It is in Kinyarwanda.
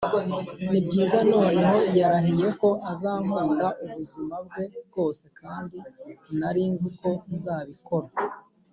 nibyiza noneho yarahiye ko azankunda ubuzima bwe bwose kandi nari nzi ko nzabikora